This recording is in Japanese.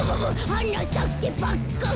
「はなさけパッカン」